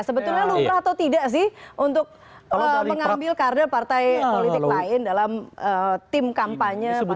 sebetulnya lupa atau tidak sih untuk mengambil kader partai politik lain dalam tim kampanye pasangan yang beda